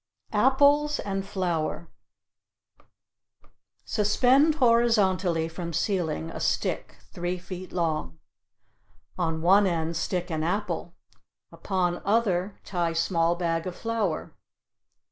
APPLES AND FLOUR Suspend horizontally from ceiling a stick three feet long. On one end stick an apple, upon other tie small bag of flour.